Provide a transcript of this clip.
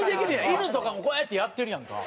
犬とかもこうやってやってるやんか。